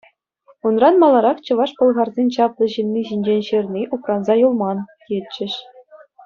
Унран маларах чӑваш-пӑлхарсен чаплӑ ҫынни ҫинчен ҫырни упранса юлман, тетчӗҫ.